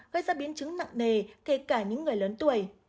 gây ra biến chứng nặng nề kể cả những người lớn tuổi